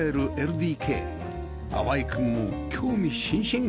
淡くんも興味津々